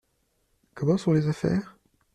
Comment sont les affaires ?